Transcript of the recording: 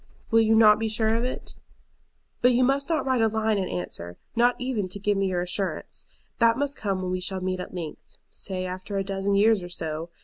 Will you not be sure of it? "But you must not write a line in answer, not even to give me your assurance. That must come when we shall meet at length, say after a dozen years or so.